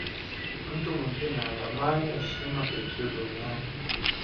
mtu mwingine anatamani heshima pekee duniani